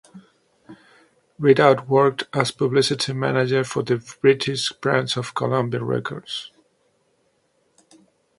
Ridout worked as publicity manager for the British branch of Columbia Records.